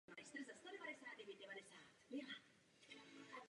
Ten obývá Novou Guineu a jeho taxonomické zařazení je sporné.